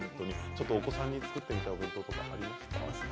お子さんに作ってみたいお弁当とかありましたか？